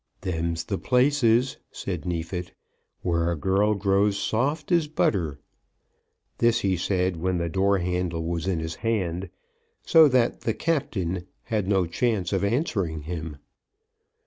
"Them's the places," said Neefit, "where a girl grows soft as butter." This he said when the door handle was in his hand, so that "the Captain" had no chance of answering him.